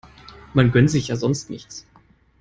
Man gönnt sich ja sonst nichts.